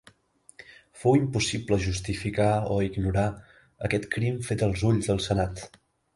Fou impossible justificar o ignorar aquest crim fet als ulls del senat.